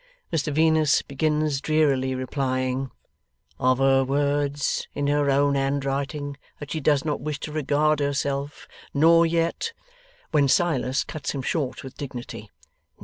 Mr Venus begins drearily replying, 'Of her words, in her own handwriting, that she does not wish to regard herself, nor yet ' when Silas cuts him short with dignity.